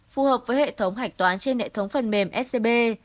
phù hợp với hệ thống hạch toán trên hệ thống phần mềm scb